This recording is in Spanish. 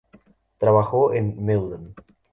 Trabajó en Meudon.